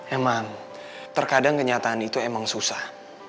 emang terkadang kenyataan itu emang susah